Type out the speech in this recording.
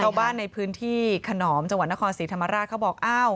ชาวบ้านในพื้นที่ขนอมจังหวัดนครศรีธรรมราชเขาบอกอ้าว